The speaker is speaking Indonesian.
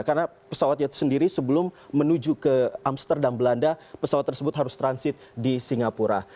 karena pesawatnya sendiri sebelum menuju ke amsterdam belanda pesawat tersebut harus transit di singapura